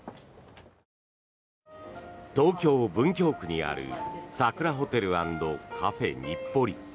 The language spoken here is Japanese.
東京・文京区にあるサクラホテル＆カフェ日暮里。